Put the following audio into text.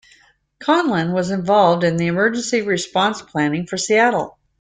Conlin was involved in emergency response planning for Seattle.